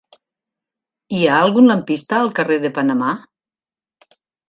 Hi ha algun lampista al carrer de Panamà?